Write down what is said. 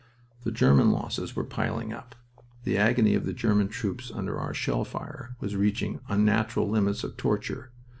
The German losses were piling up. The agony of the German troops under our shell fire was reaching unnatural limits of torture.